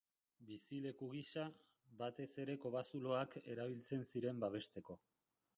Bizileku gisa, batez ere kobazuloak erabiltzen ziren babesteko.